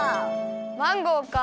マンゴーか。